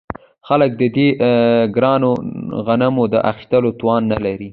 خلک د دې ګرانو غنمو د اخیستلو توان نلري